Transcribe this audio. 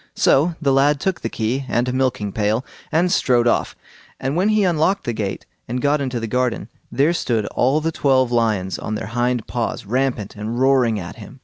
So the lad took the key and a milking pail, and strode off; and when he unlocked the gate and got into the garden, there stood all the twelve lions on their hind paws, rampant and roaring at him.